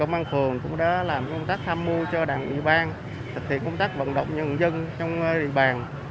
công an phường cũng đã làm công tác tham mưu cho đảng ủy bang thực hiện công tác vận động nhân dân trong địa bàn